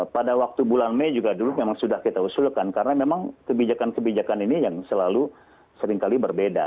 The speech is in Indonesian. pada waktu bulan mei juga dulu memang sudah kita usulkan karena memang kebijakan kebijakan ini yang selalu seringkali berbeda